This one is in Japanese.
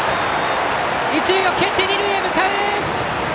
一塁をけって二塁に向かう。